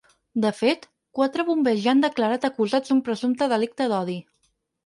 De fet, quatre bombers ja han declarat acusats d’un presumpte delicte d’odi.